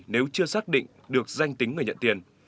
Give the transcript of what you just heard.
nếu chưa xác định được danh tính người nhận tiền